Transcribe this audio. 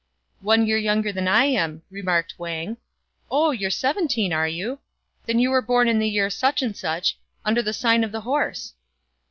" One year younger than I am," remarked Wang. " Oh, you re seventeen are you ? Then you were born in the year , under the sign of the horse."